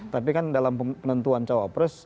tapi kan dalam penentuan cawapres